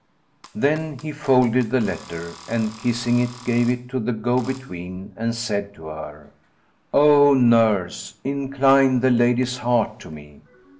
Then he folded the letter and kissing it, gave it to the go between and said to her, "O nurse, incline the lady's heart to me."